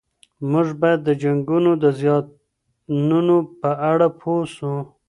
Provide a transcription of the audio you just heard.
موږ باید د جنګونو د زیانونو په اړه پوه سو.